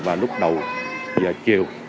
và lúc đầu giờ chiều